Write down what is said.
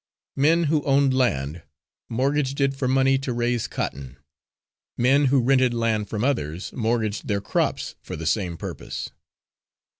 Men who owned land mortgaged it for money to raise cotton; men who rented land from others mortgaged their crops for the same purpose.